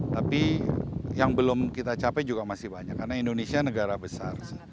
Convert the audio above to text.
tapi yang belum kita capai juga masih banyak karena indonesia negara besar